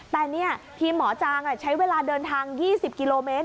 แต่นี่ทีมหมอจางใช้เวลาเดินทาง๒๐กิโลเมตร